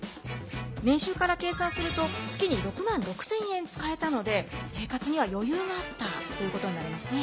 年収から計算すると月に６万６，０００円使えたので生活には余裕があったということになりますね。